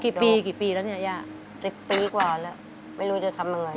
กี่ปีกี่ปีแล้วเนี่ยย่าสิบปีกว่าแล้วไม่รู้จะทำยังไง